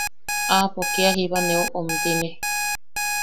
Aapo kia jiba neu omtine.